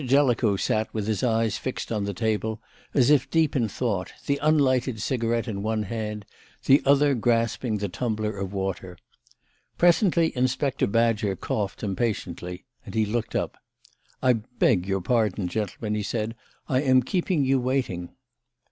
Jellicoe sat with his eyes fixed on the table as if deep in thought, the unlighted cigarette in one hand, the other grasping the tumbler of water. Presently Inspector Badger coughed impatiently and he looked up. "I beg your pardon, gentlemen," he said. "I am keeping you waiting."